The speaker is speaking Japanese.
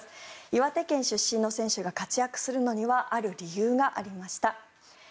岩手県出身の選手が活躍するのにはある理由がありました。